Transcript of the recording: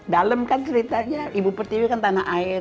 dalam kan ceritanya ibu pertiwi kan tanah air